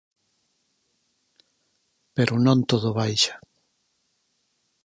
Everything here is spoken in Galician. Pero non todo baixa.